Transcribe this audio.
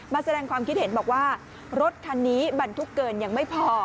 แสดงความคิดเห็นบอกว่ารถคันนี้บรรทุกเกินยังไม่พอ